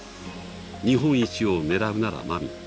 日本一を狙うなら、まみ。